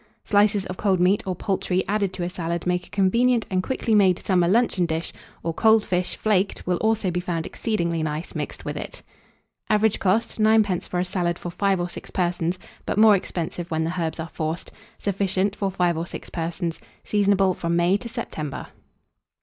Slices of cold meat or poultry added to a salad make a convenient and quickly made summer luncheon dish; or cold fish, flaked, will also be found exceedingly nice, mixed with it. Average cost, 9d. for a salad for 5 or 6 persons; but more expensive when the herbs are forced. Sufficient for 5 or 6 persons. Seasonable from May to September.